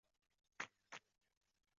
隆瑟纳克。